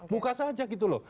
bungkar saja gitu loh